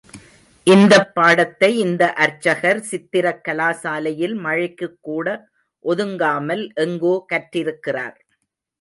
இந்தப் பாடத்தை இந்த அர்ச்சகர் சித்திரக் கலாசாலையில் மழைக்குக் கூட ஒதுங்காமல் எங்கோ கற்றிருக்கிறார்.